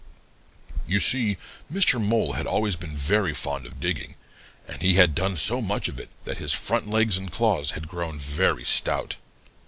"You see, Mr. Mole always had been very fond of digging, and he had done so much of it that his front legs and claws had grown very stout.